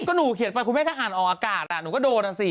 ก็หนูเขียนไปคุณแม่ก็อ่านออกอากาศหนูก็โดนอ่ะสิ